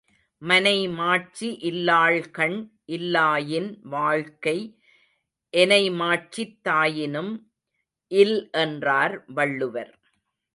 மனைமாட்சி இல்லாள்கண் இல்லாயின் வாழ்க்கை எனைமாட்சித் தாயினும் இல் என்றார் வள்ளுவர்.